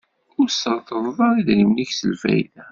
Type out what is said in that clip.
Ur s-treṭṭleḍ ara idrimen-ik s lfayda.